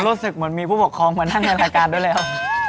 รู้สึกเหมือนมีผู้ปกครองมานั่งในรายการด้วยแล้ว